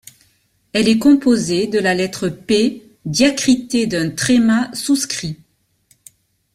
Elle est composée de la lettre P diacritée d’un tréma souscrit.